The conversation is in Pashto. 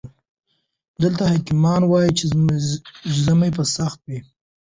دلته حکيمان وايي چې ژمی به سخت وي.